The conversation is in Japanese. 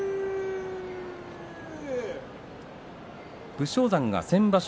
武将山、先場所